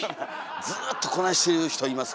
ずっとこないしてる人いますからね。